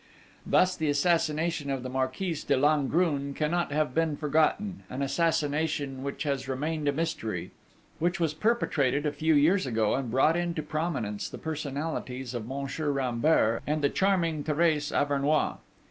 Thus the assassination of the Marquise de Langrune cannot have been forgotten, an assassination which has remained a mystery, which was perpetrated a few years ago, and brought into prominence the personalities of Monsieur Rambert and the charming Thérèse Auvernois....